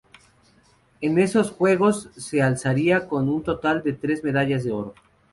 En esos Juegos se alzaría con un total de tres medallas de oro.